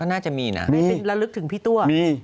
เขาน่าจะมีน่ะมีมีต้องมีไม่เป็นระลึกถึงพี่ตัว